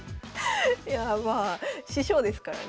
いやあまあ師匠ですからね。